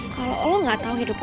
kalo lo gak tau hidup apa